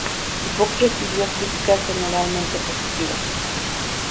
Puck recibió críticas generalmente positivas.